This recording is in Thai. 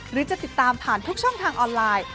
หรือจะติดตามผ่านทุกช่องทางออนไลน์